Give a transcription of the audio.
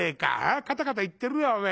カタカタいってるよおめえ。